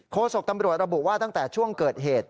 โศกตำรวจระบุว่าตั้งแต่ช่วงเกิดเหตุ